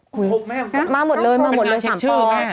ครบไหมมาหมดเลยมาหมดเลย๓ป